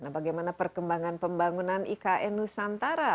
nah bagaimana perkembangan pembangunan ikn nusantara